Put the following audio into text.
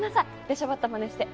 出しゃばったまねして。